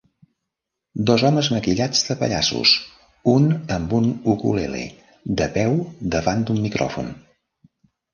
Dos homes maquillats de pallassos, un amb un ukulele, de peu davant d'un micròfon.